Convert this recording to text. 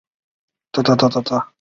在常州读小学。